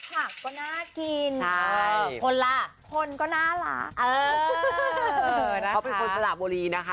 ผักก็น่ากินใช่คนล่ะคนก็น่ารักเออนะคะเขาเป็นคนสละบุรีนะคะ